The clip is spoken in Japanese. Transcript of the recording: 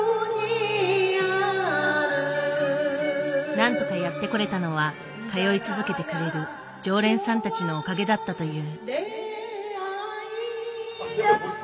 なんとかやってこれたのは通い続けてくれる常連さんたちのおかげだったという。